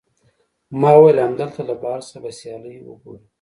ما وویل، همدلته له بهر څخه به سیالۍ وګورو.